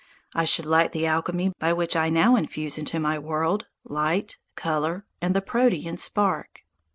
I should lack the alchemy by which I now infuse into my world light, colour, and the Protean spark.